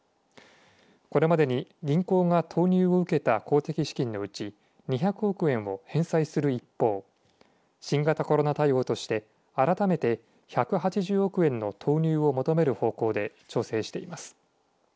これまでに銀行が投入を受けた公的資金のうち２００億円を返済する一方新型コロナ対応として改めて１８０億円の投入を求める方向で調整しています。